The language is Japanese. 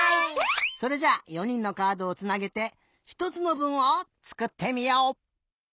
それじゃ４にんのカードをつなげてひとつのぶんをつくってみよう！